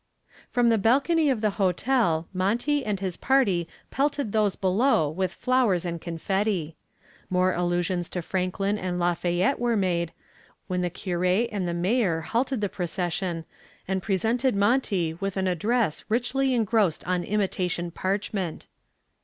From the balcony of the hotel Monty and his party pelted those below with flowers and confetti. More allusions to Franklin and Lafayette were made when the cure and the mayor halted the procession and presented Monty with an address richly engrossed on imitation parchment.